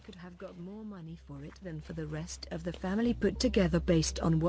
ผมคงได้เงินใหญ่กว่าที่ส่วนของครอบครัวที่พร้อมต่อไป